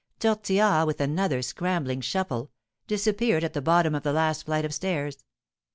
Tortillard, with another scrambling shuffle, disappeared at the bottom of the last flight of stairs.